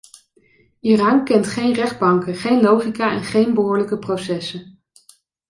Iran kent geen rechtbanken, geen logica en geen behoorlijke processen.